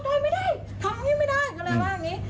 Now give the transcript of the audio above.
โดดต่อยฉันก็เลยเอ้ยโดดต่อยไม่ได้ทำไม่ได้ก็เลยว่าอย่างนี้